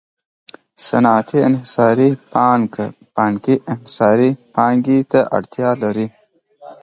صنعتي انحصاري پانګه بانکي انحصاري پانګې ته اړتیا لري